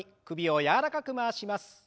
首を柔らかく回します。